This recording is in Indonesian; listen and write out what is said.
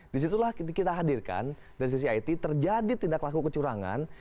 disitulah kita hadirkan dari sisi it terjadi tindak laku kecurangan